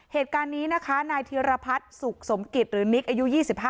เหตุการณ์นี้นะคะนายธิรพัฒน์สุขสมกิจหรือนิกอายุ๒๕